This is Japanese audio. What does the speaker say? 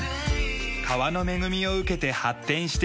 川の恵みを受けて発展してきた町だ。